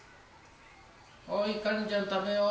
おいかりんちゃん食べよう。